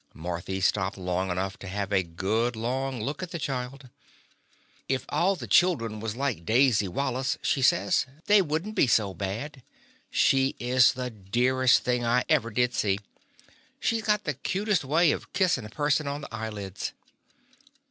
Marthy stopped long enough to have a good, long look at the child. "If all the children was like Daisy Wallace," she says, "they would n't be so bad. She is the dearest thing I ever did see. She 's got the cutest way of kissin' a person on the eyelids."